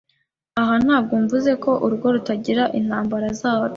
Aha ntabwo mvuze ko urugo rutagira intambara zarwo,